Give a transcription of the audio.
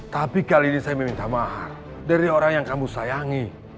tapi kali ini saya meminta mahar dari orang yang kamu sayangi